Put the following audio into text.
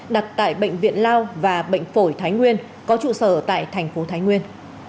đặt tại bệnh viện lao và bệnh phổi thái nguyên có trụ sở tại thành phố thái nguyên